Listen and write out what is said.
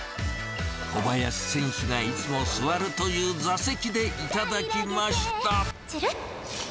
小林選手がいつも座るという座席で頂きました。